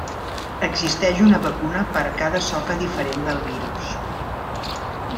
Existeix una vacuna per cada soca diferent del virus.